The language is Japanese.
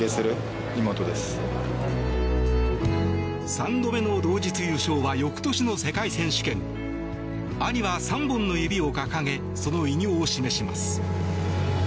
３度目の同日優勝は翌年の世界選手権兄は３本の指を掲げその偉業を示します。